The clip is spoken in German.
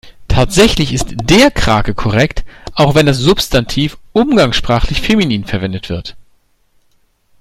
Tatsächlich ist der Krake korrekt, auch wenn das Substantiv umgangssprachlich feminin verwendet wird.